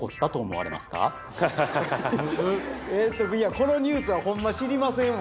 このニュースはホンマ知りませんわ。